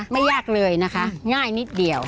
ไม่ยากเลยนะคะง่ายนิดเดียว